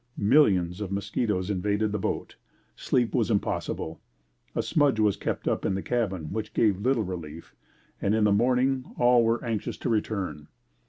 Millions of mosquitoes invaded the boat. Sleep was impossible. A smudge was kept up in the cabin which gave little relief and in the morning all were anxious to return.